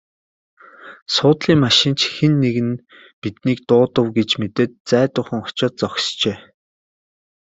Суудлын машин ч хэн нэг нь биднийг дуудав гэж мэдээд зайдуухан очоод зогсжээ.